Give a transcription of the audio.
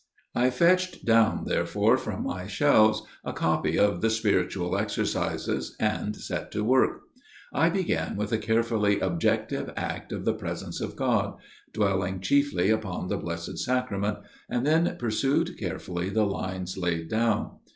" I fetched down therefore from my shelves a copy of the Spiritual Exercises, and set to work, I began with a carefully objective act of the FATHER GIRDLESTONE'S TALE 111 Presence of God, dwelling chiefly upon the Blessed Sacrament, and then pursued carefully the lines laid down.